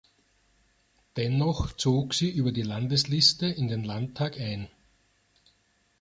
Dennoch zog sie über die Landesliste in den Landtag ein.